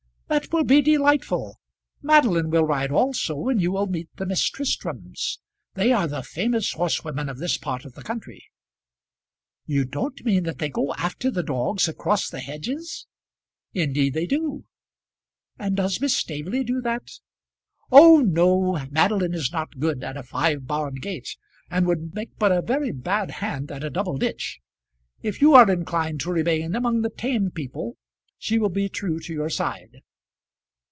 "That will be delightful. Madeline will ride also, and you will meet the Miss Tristrams. They are the famous horsewomen of this part of the country." "You don't mean that they go after the dogs, across the hedges." "Indeed they do." "And does Miss Staveley do that?" "Oh, no Madeline is not good at a five barred gate, and would make but a very bad hand at a double ditch. If you are inclined to remain among the tame people, she will be true to your side."